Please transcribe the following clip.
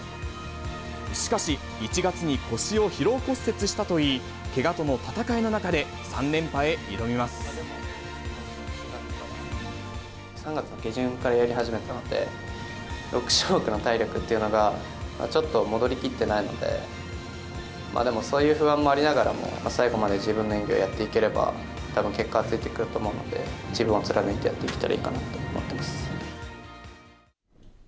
しかし、１月に腰を疲労骨折したといい、けがとの闘いの中で３連覇へ挑み３月の下旬からやり始めたので、６種目の体力っていうのが、ちょっと戻りきってないので、でも、そういう不安もありながらも、最後まで自分の演技をやっていければ、たぶん、結果はついてくると思うので、自分を貫いてやっていけたらいいかなと思ってます。